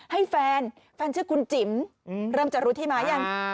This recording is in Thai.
ให้แฟนแฟนชื่อคุณจิ๋มเริ่มจะรู้ที่มายัง